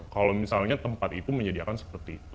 kalau misalnya tempat itu menjadi akan seperti itu